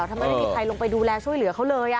ถ้าไม่ได้มีใครลงไปดูแลช่วยเหลือเขาเลย